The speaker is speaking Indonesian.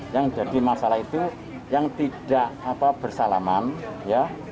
yang jadi masalah itu yang tidak bersalaman ya